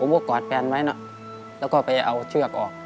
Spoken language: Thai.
ก็กอดแฟนไว้นะแล้วก็ไปเอาเชือกออก